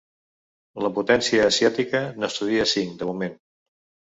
La potència asiàtica n’estudia cinc, de moment.